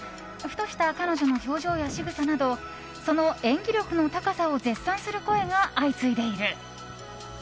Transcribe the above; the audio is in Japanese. ふとした彼女の表情やしぐさなどその演技力の高さを絶賛する声が相次いでいる。